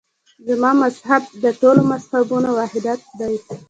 زما مذهب د ټولو مذهبونو وحدت دی.